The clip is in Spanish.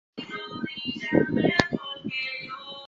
Se construyó sobre un solar de planta trapezoidal de bases paralelas.